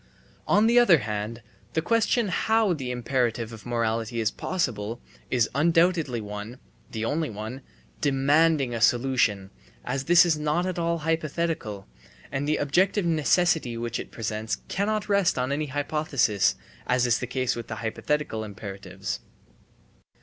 On the other hand, the question how the imperative of morality is possible, is undoubtedly one, the only one, demanding a solution, as this is not at all hypothetical, and the objective necessity which it presents cannot rest on any hypothesis, as is the case with the hypothetical imperatives.